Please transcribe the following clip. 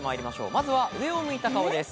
まずは上を向いた顔です。